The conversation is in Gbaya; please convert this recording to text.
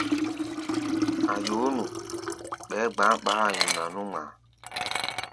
A̧ yoó nu, ɓɛɛ́ gba̧á̧ ɓaá-a nyuna nú ŋmaa.